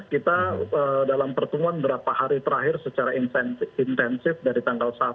kita dalam pertemuan berapa hari terakhir secara intensif dari tanggal satu